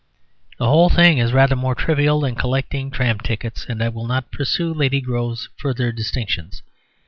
The whole thing is rather more trivial than collecting tram tickets; and I will not pursue Lady Grove's further distinctions.